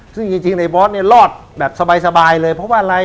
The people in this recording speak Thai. ซึ่งจริงในบอสเนี่ยรอดแบบสบายเลยเพราะว่าอะไร